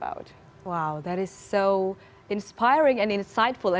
wow itu sangat menginspirasi dan membuat saya berpikir